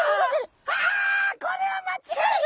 あこれは間違いない！